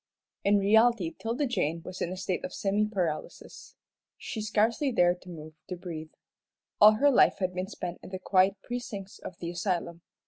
In reality 'Tilda Jane was in a state of semi paralysis. She scarcely dared to move, to breathe. All her life had been spent in the quiet precincts of the asylum.